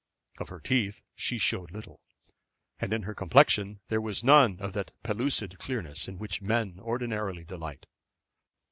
Of her teeth she showed but little, and in her complexion there was none of that pellucid clearness in which men ordinarily delight.